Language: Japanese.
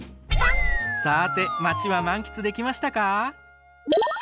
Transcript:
さあて町は満喫できましたか？